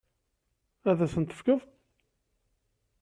Ad asent-tt-tefkeḍ?